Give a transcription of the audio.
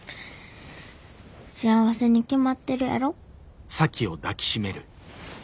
幸せに決まってるやろ。